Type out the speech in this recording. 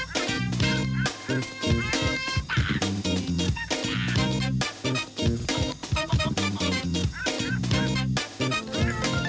โปรดติดตามตอนต่อไป